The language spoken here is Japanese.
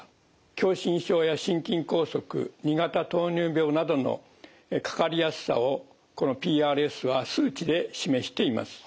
狭心症や心筋梗塞２型糖尿病などのかかりやすさをこのＰＲＳは数値で示しています。